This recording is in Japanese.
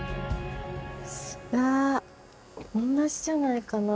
同じじゃないかな